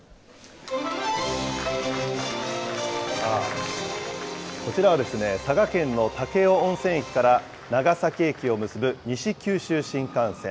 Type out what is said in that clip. さあ、こちらはですね、佐賀県の武雄温泉駅から長崎駅を結ぶ西九州新幹線。